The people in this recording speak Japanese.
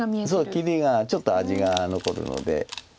切りがちょっと味が残るので。